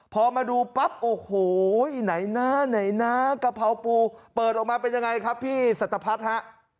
พอมาดูปั๊บโอ้โหไหนนะไหนนะกะเพราปูเปิดออกมาเป็นยังไงครับพี่สัตพัฒน์ฮะ